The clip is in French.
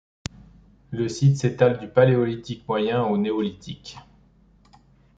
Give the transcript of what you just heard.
Le site s'étale du Paléolithique moyen au Néolithique.